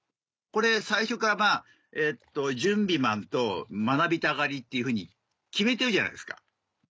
これ最初から「準備マン」と「学びたがり」っていうふうに決めてるじゃないですか。